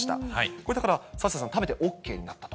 これ、だからサッシャさん、食べてＯＫになったと。